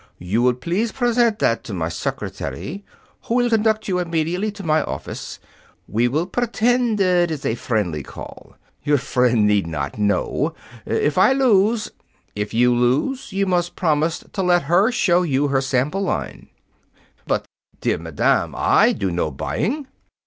"You will please present that to my secretary, who will conduct you immediately to my office. We will pretend it is a friendly call. Your friend need not know. If I lose " "If you lose, you must promise to let her show you her sample line." "But, dear madam, I do no buying."